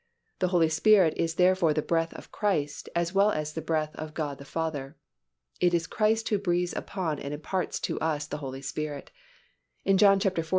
The Holy Spirit is therefore the breath of Christ, as well as the breath of God the Father. It is Christ who breathes upon us and imparts to us the Holy Spirit. In John xiv.